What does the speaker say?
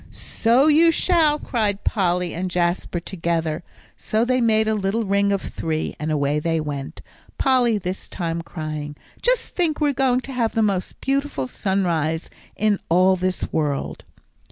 "So you shall," cried Polly and Jasper together; so they made a little ring of three, and away they went, Polly this time crying, "Just think, we're going to have the most beautiful sunrise in all this world."